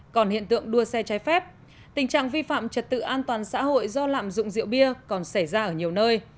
còn hiện tượng đua xe trái phép tình trạng vi phạm trật tự an toàn xã hội do lạm dụng rượu bia còn xảy ra ở nhiều nơi